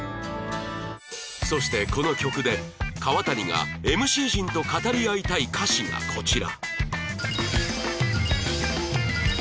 そしてこの曲で川谷が ＭＣ 陣と語り合いたい歌詞がこちら